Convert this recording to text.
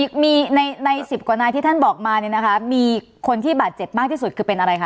มีมีในในสิบกว่านายที่ท่านบอกมาเนี่ยนะคะมีคนที่บาดเจ็บมากที่สุดคือเป็นอะไรคะ